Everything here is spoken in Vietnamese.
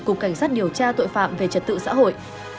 cục cảnh sát điều tra tội phạm về trật tự xã hội